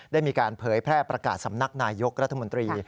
ได้มีการเผยแพร่ประกาศสำนักนายยกรัฐมนตรี